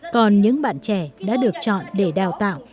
còn những bạn trẻ đã được chọn để đào tạo